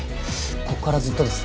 ここからずっとです。